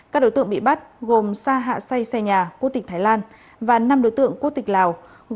các đối tượng bị bắt gồm sa hạ say xe nhà quốc tịch thái lan và năm đối tượng quốc tịch lào